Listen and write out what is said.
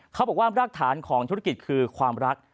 เขาบอกว่ารากฐานของธุรกิจคือความรัก